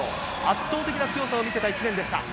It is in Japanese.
圧倒的な強さを見せた１年でした。